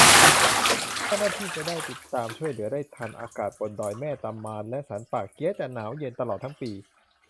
เจ้าหน้าที่จะได้ติดตามช่วยเหลือได้ทัน อากาศบนดอยแม่ตะมานและสันป่าเกี๊ยะจะหนาวเย็นตลอดทั้งปี